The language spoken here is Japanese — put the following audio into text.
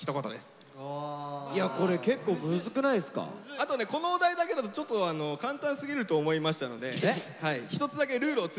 あとねこのお題だけだとちょっと簡単すぎると思いましたので何ですか？